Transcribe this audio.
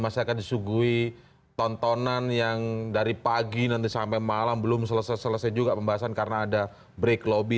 masih akan disuguhi tontonan yang dari pagi nanti sampai malam belum selesai selesai juga pembahasan karena ada break lobby